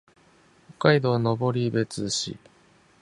北海道登別市